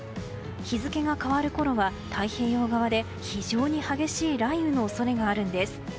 日付が変わるころは太平洋側で非常に激しい雷雨の恐れがあるんです。